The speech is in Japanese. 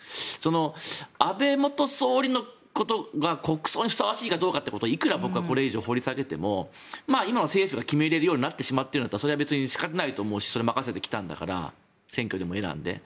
安倍元総理のことが国葬にふさわしいかどうかということをいくら僕らがこれ以上掘り下げても今の政府が決めれるようになっているならそれは別に仕方ないと思うしそれは任せてきたんだから選挙でも選んで。